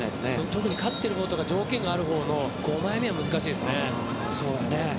特に勝っていることが条件のほうの５枚目は難しいですね。